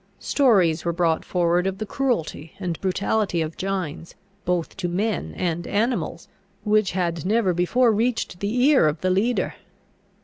Stories were brought forward of the cruelty and brutality of Gines both to men and animals, which had never before reached the ear of the leader.